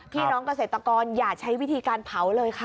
พี่น้องเกษตรกรอย่าใช้วิธีการเผาเลยค่ะ